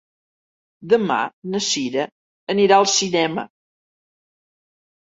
Demà na Cira anirà al cinema.